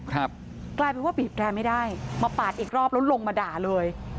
กลายเป็นว่าบีบแรนไม่ได้มาปาดอีกรอบแล้วลงมาด่าเลย